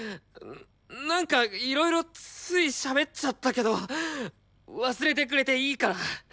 なんかいろいろついしゃべっちゃったけど忘れてくれていいから。